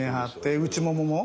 内ももも。